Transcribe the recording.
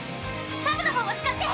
サブの方を使って！